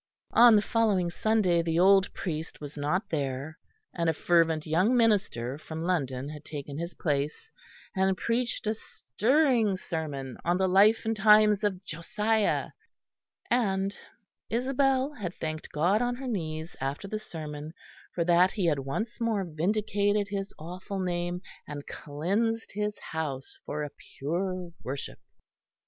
On the following Sunday the old priest was not there, and a fervent young minister from London had taken his place, and preached a stirring sermon on the life and times of Josiah; and Isabel had thanked God on her knees after the sermon for that He had once more vindicated His awful Name and cleansed His House for a pure worship.